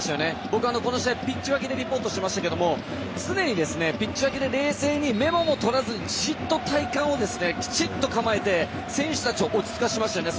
僕、この試合、ピッチ脇でリポートしてましたけど常にピッチ脇で冷静にメモも取らずにずっと体幹をきちんと構えて選手たちを落ち着かせてましたよね。